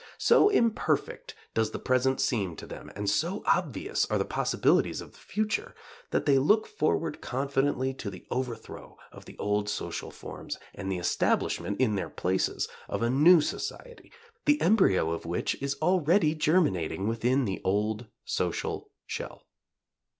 So imperfect does the present seem to them, and so obvious are the possibilities of the future, that they look forward confidently to the overthrow of the old social forms, and the establishment, in their places, of a new society, the embryo of which is already germinating within the old social shell.